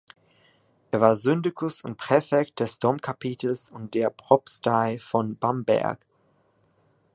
Er war Syndikus und Präfekt des Domkapitels und der Propstei von Bamberg.